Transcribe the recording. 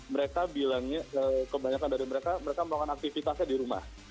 mereka bilangnya kebanyakan dari mereka mereka melakukan aktivitasnya di rumah